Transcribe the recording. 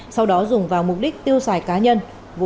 sau đó dùng vào mục đích tiêu xài cá nhân